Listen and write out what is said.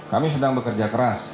kami sedang bekerja keras